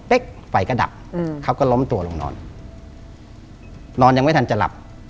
ไฟก็ดับอืมเขาก็ล้มตัวลงนอนนอนยังไม่ทันจะหลับ